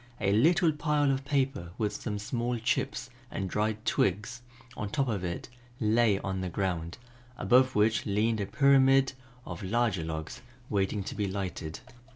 A little pile of paper with some small chips and dried twigs on top of it lay on the ground, above which leaned a pyramid of larger logs, waiting to be lighted.